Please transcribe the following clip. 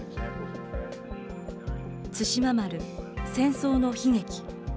対馬丸、戦争の悲劇。